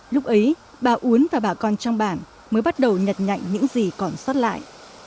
lúc ấy bà uốn và bà con trong bản mới bắt đầu nhật nhạnh những gì còn sót lại